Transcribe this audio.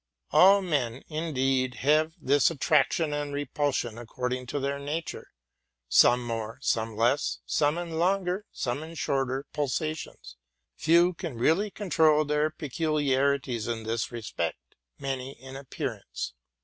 All men, indeed, have this attraction and repulsion, according to their natures, some more, some less, some in longer, some in shorter, pulsa tions : few can really control their peculiarities in this respect, many in appearance.